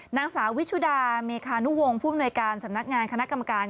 นางสาววิชุดาเมคานุวงศ์ผู้อำนวยการสำนักงานคณะกรรมการ